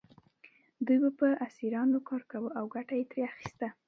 دوی به په اسیرانو کار کاوه او ګټه یې ترې اخیسته.